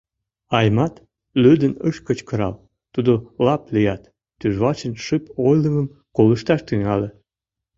Аймат лӱдын ыш кычкырал, тудо лап лият, тӱжвачын шып ойлымым колышташ тӱҥале.